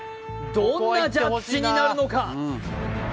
どんなジャッジになるのか？